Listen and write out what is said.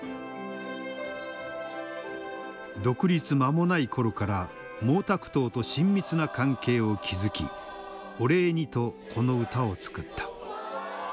独立間もない頃から毛沢東と親密な関係を築きお礼にとこの歌を作った。